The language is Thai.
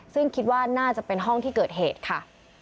ซึ่งคิดว่าน่าจะเป็นห้องที่เกิดเหตุค่ะ